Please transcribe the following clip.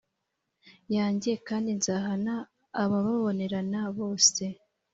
yanjye kandi nzahana abababonerana bose